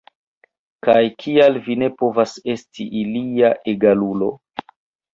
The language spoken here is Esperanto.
Kaj kial vi ne povas esti ilia egalulo?